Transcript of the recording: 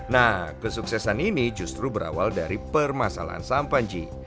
nah kesuksesan ini justru berawal dari permasalahan sampanji